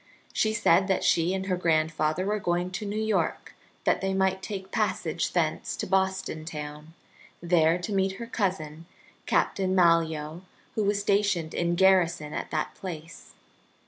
She said that she and her grandfather were going to New York that they might take passage thence to Boston town, there to meet her cousin Captain Malyoe, who was stationed in garrison at that place.